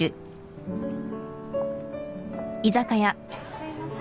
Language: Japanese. すいません。